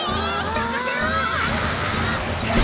さかせろ！